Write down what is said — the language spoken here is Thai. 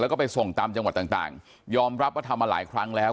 แล้วก็ไปส่งตามจังหวัดต่างยอมรับว่าทำมาหลายครั้งแล้ว